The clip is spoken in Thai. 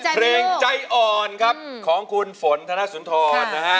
เพลงใจอ่อนครับของคุณฝนธนสุนทรนะฮะ